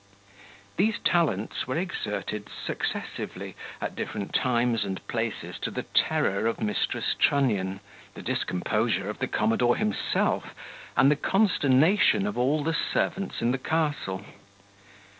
These talents were exerted successively, at different times and places, to the terror of Mrs. Trunnion, the discomposure of the commodore himself, and the consternation of all the servants in the castle.